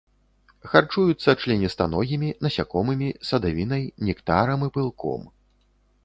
Харчуюцца членістаногімі, насякомымі, садавінай, нектарам і пылком.